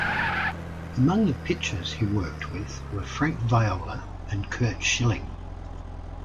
Among the pitchers he worked with were Frank Viola and Curt Schilling.